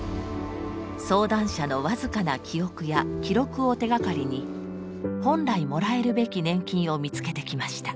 相談者の僅かな記憶や記録を手がかりに本来もらえるべき年金を見つけてきました。